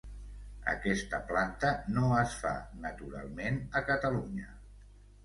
Aquesta planta no es fa naturalment a Catalunya.